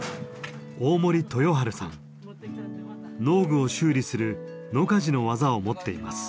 農具を修理する野鍛冶の技を持っています。